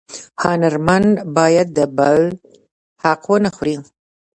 هنرمن باید د بل حق ونه خوري